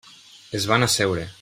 Es van asseure.